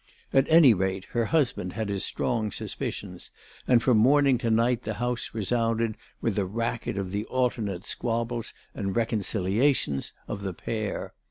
At any rate her husband had his strong suspicions, and from morning to night the house resounded with the racket of the alternate squabbles and reconciliations of the pair.